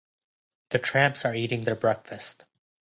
The tramps are eating their breakfast.